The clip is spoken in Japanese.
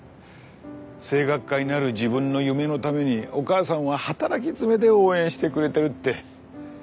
声楽家になる自分の夢のためにお母さんは働き詰めで応援してくれてるって。